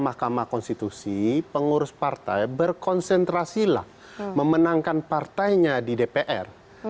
mahkamah konstitusi pengurus partai berkonsentrasilah memenangkan partainya di dpr